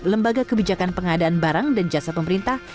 lembaga kebijakan pengadaan barang dan jasa pemerintah